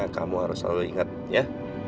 kamu harus selalu ingat ya